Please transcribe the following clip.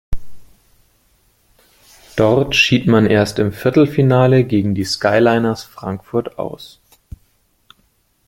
Dort schied man erst im Viertelfinale gegen die Skyliners Frankfurt aus.